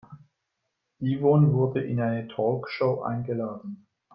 Yvonne wurde in eine Talkshow eingeladen.